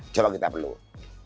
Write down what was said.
coba kita peluk